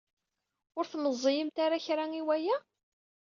Ur tmeẓẓiyemt ara kra i waya?